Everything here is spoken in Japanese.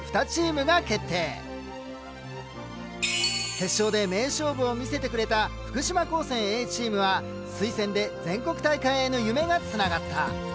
決勝で名勝負を見せてくれた福島高専Ａチームは推薦で全国大会への夢がつながった。